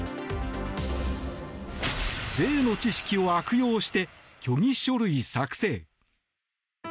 税の知識を悪用して虚偽書類作成。